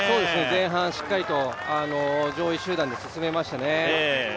前半しっかりと上位集団で進めましたね。